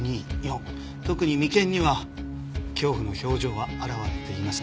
特に眉間には恐怖の表情が表れていません。